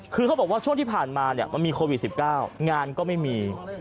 คือเขาบอกว่าช่วงที่ผ่านมามันมีโควิด๑๙งานก็ไม่มี